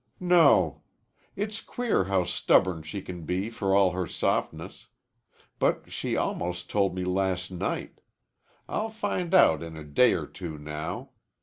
"No. It's queer how stubborn she can be for all her softness. But she almost told me last night. I'll find out in a day or two now.